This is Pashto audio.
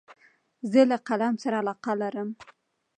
زه له قلم سره علاقه لرم.